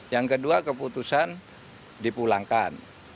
yang kedua keputusan dipulangkan